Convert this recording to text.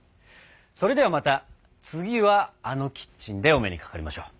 それではまた次はあのキッチンでお目にかかりましょう。